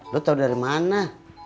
lu tau dari mana